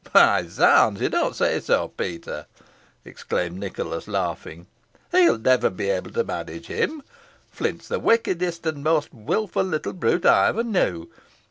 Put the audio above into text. "Why, zounds, you don't say, Peter!" exclaimed Nicholas, laughing; "he'll never be able to manage him. Flint's the wickedest and most wilful little brute I ever knew.